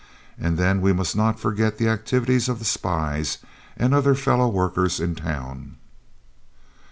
And then we must not forget the activities of the spies and of their fellow workers in town.